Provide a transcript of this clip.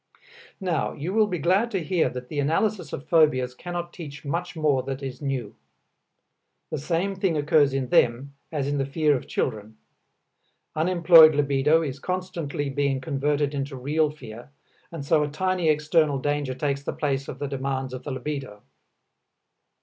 Now you will be glad to hear that the analysis of phobias cannot teach much more that is new. The same thing occurs in them as in the fear of children; unemployed libido is constantly being converted into real fear and so a tiny external danger takes the place of the demands of the libido.